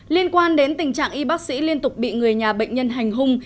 liên quan đến tình trạng y bác sĩ liên tục bị người nhà bệnh nhân hành hung